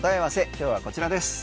今日はこちらです。